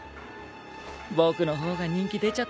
僕の方が人気出ちゃったりして。